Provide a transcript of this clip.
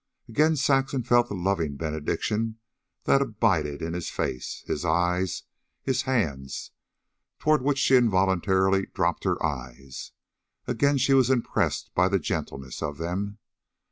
Again Saxon felt the loving benediction that abided in his face, his eyes, his hands toward which she involuntarily dropped her eyes. Again she was impressed by the gentleness of them.